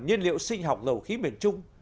nhiên liệu sinh học dầu khí miền trung